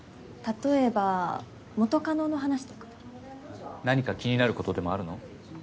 例えば元カノの話とか何か気になることでもあるの？